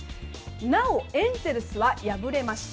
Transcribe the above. なおエンゼルスは敗れました。